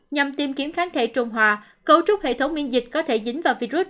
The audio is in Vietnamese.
nhằm tìm kiếm kháng thể trung hòa cấu trúc hệ thống miễn dịch có thể dính vào virus